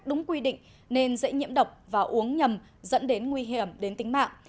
đúng quy định nên dễ nhiễm độc và uống nhầm dẫn đến nguy hiểm đến tính mạng